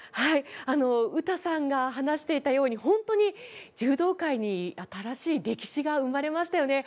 詩さんが話していたように本当に柔道界に新しい歴史が生まれましたよね。